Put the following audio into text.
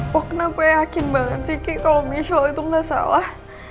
kok kenapa yakin banget sih ki kalau michel itu gak salah